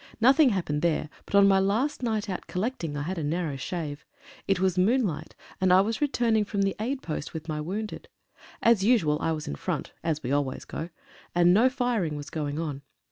Nothing happened there, but on my last night out collecting I had a narrow shave. It was moonlight, and I was returning from the aid post with my wounded. As usual, I was in front (as we always go), and no firing was going on.